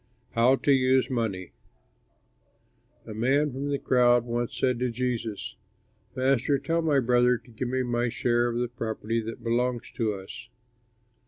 HOW TO USE MONEY A man from the crowd once said to Jesus, "Master, tell my brother to give me my share of the property that belongs to us."